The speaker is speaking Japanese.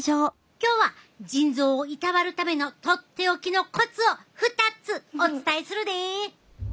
今日は腎臓をいたわるためのとっておきのコツを２つお伝えするで！